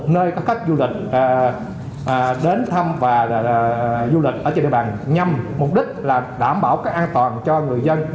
nơi có khách du lịch đến thăm và du lịch ở trên địa bàn nhằm mục đích là đảm bảo cái an toàn cho người dân